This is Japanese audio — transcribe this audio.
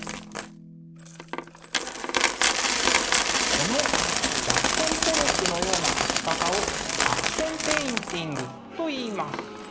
このジャクソン・ポロックのような描き方をアクション・ペインティングといいます。